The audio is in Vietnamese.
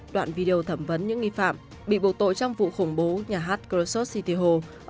đoạn video thẩm vấn những nghi phạm bị buộc tội trong vụ khủng bố nhà hát krosoft city hall